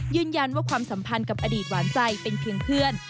ความสัมพันธ์กับอดีตหวานใจเป็นเพียงเพื่อน